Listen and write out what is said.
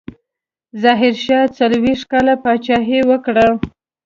ظاهرشاه څلوېښت کاله پاچاهي وکړه.